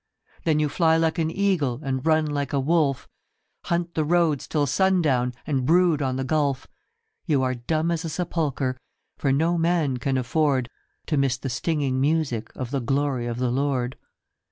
Then you fly like an eagle, and run like a wolf, Hunt the roads till sundown, and brood on the gulf, You are dumb as a sepulchre, for no man can afford To miss the stinging music of the glory of the Lord.